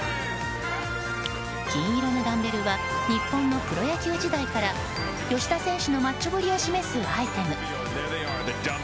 金色のダンベルは日本のプロ野球時代から吉田選手のマッチョぶりを示すアイテム。